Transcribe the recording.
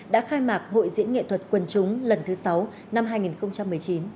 đã khai mạc hội diễn nghệ thuật quần chúng lần thứ sáu năm hai nghìn một mươi chín